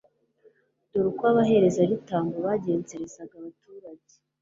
dore uko abo baherezabitambo bagenzerezaga abaturage